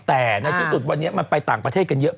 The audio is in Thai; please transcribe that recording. แต่ในที่สุดวันนี้มันไปต่างประเทศกันเยอะ